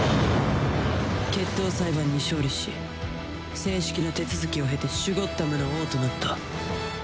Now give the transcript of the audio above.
決闘裁判に勝利し正式な手続きを経てシュゴッダムの王となった。